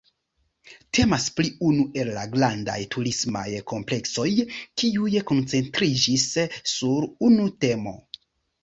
Temas pri unu el la grandaj turismaj kompleksoj kiuj koncentriĝis sur unu temo.